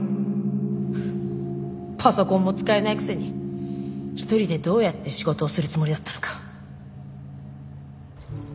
パソコンも使えないくせに一人でどうやって仕事をするつもりだったのか。